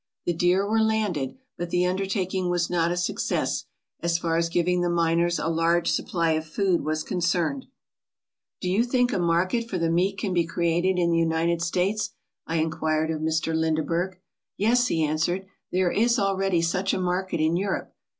The deer were landed, but the undertaking was not a success, as far as giving the miners a large supply of food was concerned. "Do you think a market for the meat can be created in the United States?" I inquired of Mr. Lindeberg. "Yes," he answered. "There is already such a market in Europe.